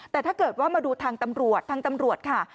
แต่ถ้าเกิดว่ามาดูทางตำรวจทางตำรวจค่ะ